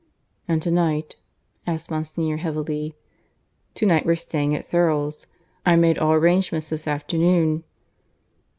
"And to night?" asked Monsignor heavily. "To night we're staying at Thurles. I made all arrangements this afternoon."